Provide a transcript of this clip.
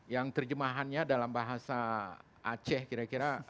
yang terjemahannya dalam bahasa aceh kira kira